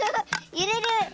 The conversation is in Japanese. ゆれる！